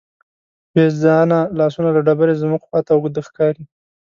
بېځانه لاسونه له ډبرې زموږ خواته اوږده ښکاري.